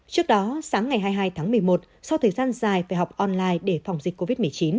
trước đó sáng ngày hai mươi hai tháng một mươi một sau thời gian dài phải học online để phòng dịch covid một mươi chín